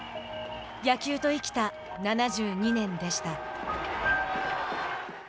野球と生きた７２年でした。